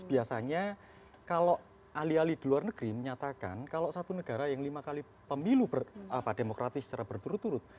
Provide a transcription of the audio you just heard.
biasanya kalau ahli ahli di luar negeri menyatakan kalau satu negara yang lima kali pemilu demokratis secara berturut turut